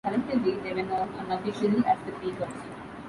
Collectively, they were known unofficially as the "Creekers".